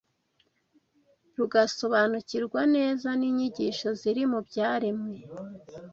rugasobanukirwa neza n’inyigisho ziri mu byaremwe